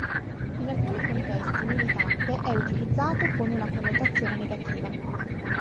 In alcuni contesti "militante" è utilizzato con una connotazione negativa.